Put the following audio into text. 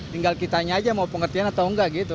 tinggal kita saja mau pengertian atau tidak gitu